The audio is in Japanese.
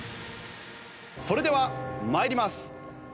それでは参ります。